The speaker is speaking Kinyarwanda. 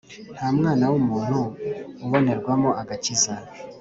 Ntamwana wumuntu ubonerwamo agakiza